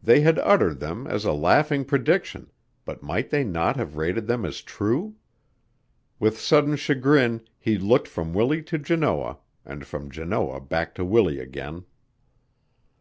They had uttered them as a laughing prediction, but might they not have rated them as true? With sudden chagrin he looked from Willie to Janoah and from Janoah back to Willie again.